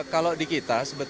kalau di kita sebetulnya